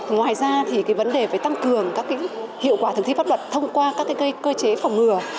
ngoài ra thì cái vấn đề phải tăng cường các cái hiệu quả thực thi pháp luật thông qua các cái cơ chế phòng ngừa